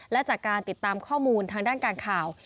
และจากการติดตามข้อมูลทางด้านการข่าว